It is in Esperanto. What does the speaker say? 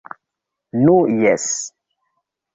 Nu, Jes.